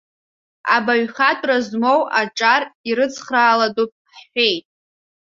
Абаҩхатәра змоу аҿар ирыцхраалатәуп ҳҳәеит.